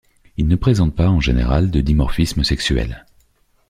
Ils ne présentent pas, en général, de dimorphisme sexuel.